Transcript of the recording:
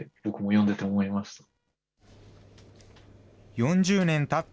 ４０年たった